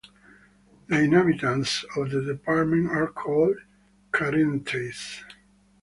The inhabitants of the department are called "Charentais".